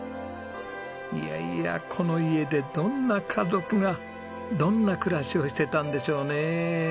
いやいやこの家でどんな家族がどんな暮らしをしていたんでしょうね。